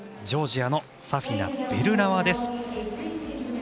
ジョージアのサフィナ、ベルラワです。